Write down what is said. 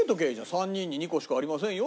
３人に２個しかありませんよって言って。